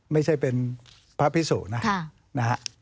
ไม่ใช่เป็นพระพิสูนะ